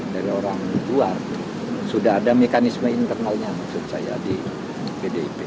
dari orang di luar sudah ada mekanisme internalnya maksud saya di pdip